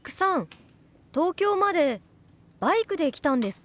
東京までバイクで来たんですか？